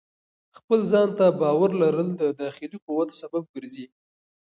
خپل ځان ته باور لرل د داخلي قوت سبب ګرځي.